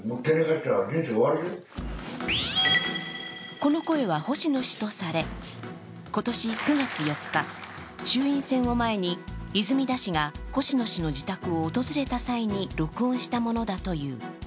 この声は星野氏とされ、今年９月４日、衆院選を前に泉田氏が星野氏の自宅を訪れた際に録音したものだという。